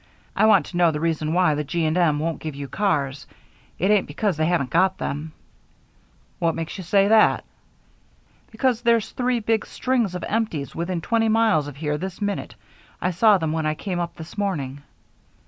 I want to know the reason why the G. & M. won't give you cars. It ain't because they haven't got them." "What makes you say that?" "Because there's three big strings of empties within twenty miles of here this minute. I saw them when I came up this morning."